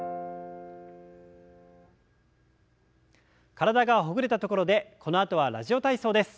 体がほぐれたところでこのあとは「ラジオ体操」です。